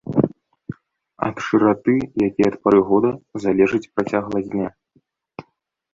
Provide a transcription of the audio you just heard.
Ад шыраты, як і ад пары года, залежыць працягласць дня.